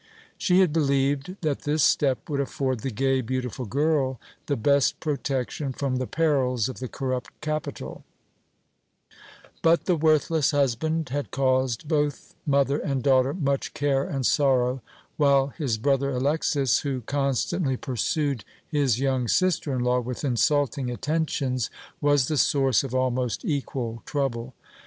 She had believed that this step would afford the gay, beautiful girl the best protection from the perils of the corrupt capital; but the worthless husband had caused both mother and daughter much care and sorrow, while his brother Alexas, who constantly pursued his young sister in law with insulting attentions, was the source of almost equal trouble.